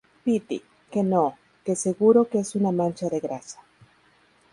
piti, que no, que seguro que es una mancha de grasa.